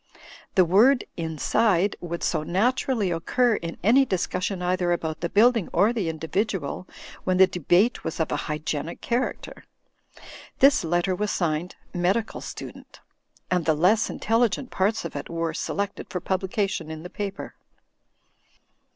The word "inside" would so naturally occur in any discussion either about the building or the individual, when the debate was of a hygienic character. This letter was signed "Medical Student," and the less in telligent parts of it were selected for publication in the piper.